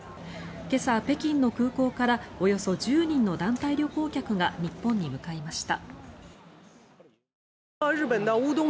今朝、北京の空港からおよそ１０人の団体旅行客が日本に向かいました。